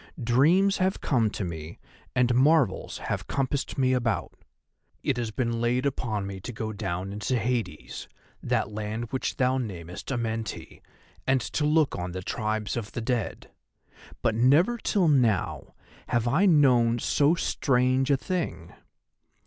Dreams have come to me and marvels have compassed me about. It has been laid upon me to go down into Hades, that land which thou namest Amenti, and to look on the tribes of the Dead; but never till now have I known so strange a thing.